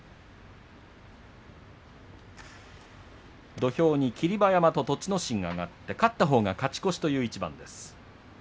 土俵に霧馬山と栃ノ心が上がって勝ったほうが勝ち越しという一番です。